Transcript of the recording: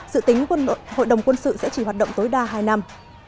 dự tính hội đồng quân sự sẽ chỉ hoạt động tối đa hai năm